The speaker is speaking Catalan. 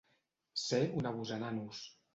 Ser un abusananos.